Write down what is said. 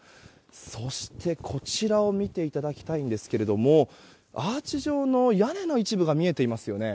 そして、こちらを見ていただきたいんですがアーチ状の屋根の一部が見えていますよね。